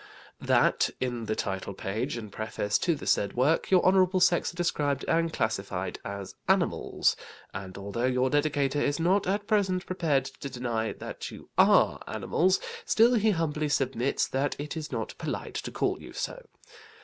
THAT in the title page and preface to the said work, your Honourable sex are described and classified as animals; and although your Dedicator is not at present prepared to deny that you are animals, still he humbly submits that it is not polite to call you so.